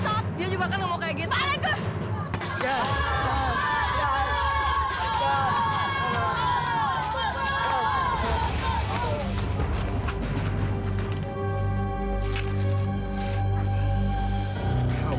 agak aa buru buruin memang